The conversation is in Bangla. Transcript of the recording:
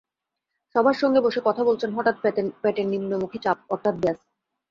সবার সঙ্গে বসে কথা বলছেন, হঠাৎ পেটে নিম্নমুখী চাপ, অর্থাৎ গ্যাস।